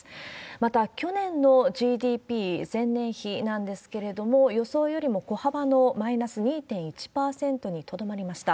また、去年のＧＤＰ前年比なんですけれども、予想よりも小幅のマイナス２．１％にとどまりました。